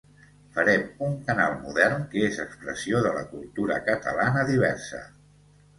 Farem un canal modern que és expressió de la cultura catalana diversa.